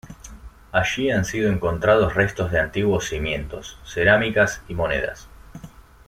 Allí han sido encontrados restos de antiguos cimientos, cerámicas y monedas.